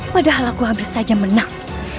padahal aku habis saja menang